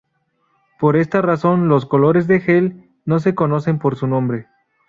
Por esta razón los colores de gel no se conocen por su nombre.